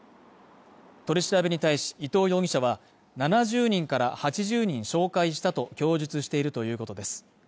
取り調べに対しイトウ容疑者は、７０人から８０人紹介したと供述しているということです。